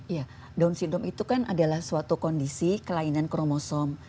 iya down syndrome itu kan adalah suatu kondisi kelainan kromosom